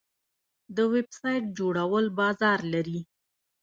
د ویب سایټ جوړول بازار لري؟